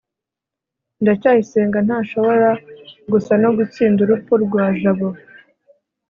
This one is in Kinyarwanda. ndacyayisenga ntashobora gusa no gutsinda urupfu rwa jabo